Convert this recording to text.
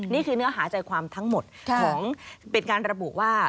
นี่คือเนื้อหาใจความทั้งหมดของเป็นการระบุว่า